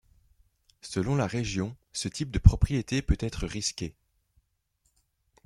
Selon la région, ce type de propriété peut être risqué.